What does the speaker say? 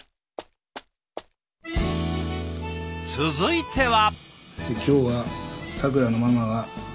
続いては。